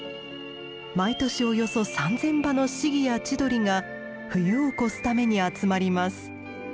毎年およそ３，０００羽のシギやチドリが冬を越すために集まります。